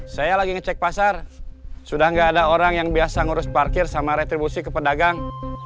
saya lagi ngecek pasar sudah nggak ada orang yang biasa ngurus parkir sama retribusi ke pedagang